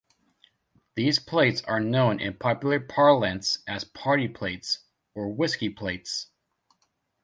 These plates are known in popular parlance as "party plates" or "whiskey plates".